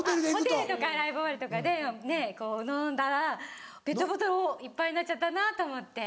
ホテルとかライブ終わりとかでねっこう飲んだらペットボトルいっぱいになっちゃったなと思って。